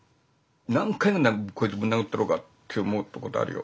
何回もこいつぶん殴ったろかと思ったことあるよ。